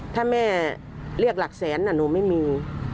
ถ้าแม่เรียกหลักแสนหนูไม่มี